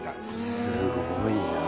すごいな。